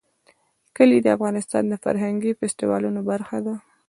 کلي د افغانستان د فرهنګي فستیوالونو برخه ده.